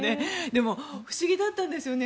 でも、不思議だったんですよね。